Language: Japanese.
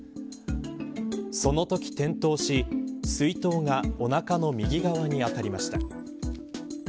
そのとき転倒し水筒が、おなかの右側に当たりました。